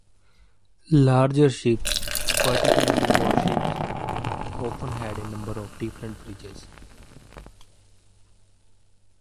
Larger ships, particularly warships, often had a number of different bridges.